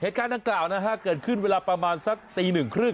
เหตุการณ์ดังกล่าวเกิดขึ้นเวลาประมาณสักตี๑๓๐